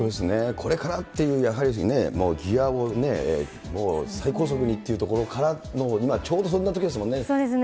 これからっていう、やはりギアをね、もう最高速にっていうところから、今、ちょうどそんなときですもんそうですね。